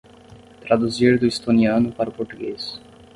Traduzir do estoniano para o português